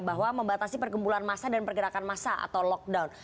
bahwa membatasi perkembulan masa dan pergerakan masa atau lockdown